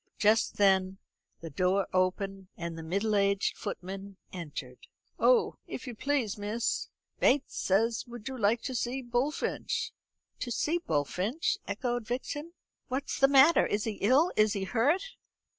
Just then the door opened, and the middle aged footman entered. "Oh, if you please, miss, Bates says would you like to see Bullfinch?" "To see Bullfinch," echoed Vixen. "What's the matter? Is he ill? Is he hurt?"